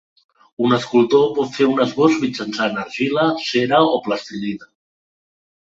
Un escultor pot fer un esbós mitjançant argila, cera o plastilina.